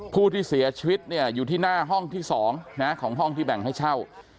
ผู้ที่เสียชีวิตเนี่ยอยู่ที่หน้าห้องที่๒ของห้องที่แบ่งให้เช่า